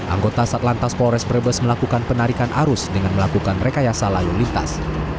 anggota satlantas polres brebes melakukan penarikan arus dengan melakukan rekayasa lalu lintas